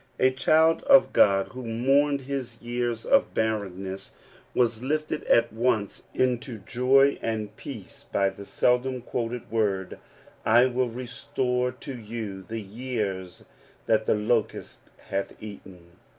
A child of God, who mourned his y of barrenness, was lifted at once into joy and pea by that seldom quoted word, "I will restore to y the years that the locust hath eaten."